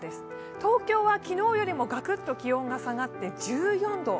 東京は昨日よりもガクッと気温が下がって１４度。